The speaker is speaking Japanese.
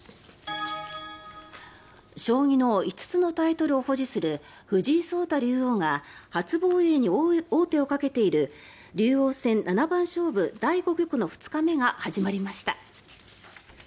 将棋の５つのタイトルを保持する藤井聡太竜王が初防衛に王手をかけている竜王戦七番勝負第５局の２日目が始まりました。